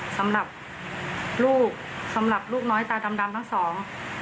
สำหรับลูกสำหรับลูกน้อยตาดำดำทั้งสอง